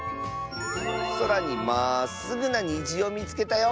「そらにまっすぐなにじをみつけたよ！」。